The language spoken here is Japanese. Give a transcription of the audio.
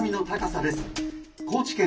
高知県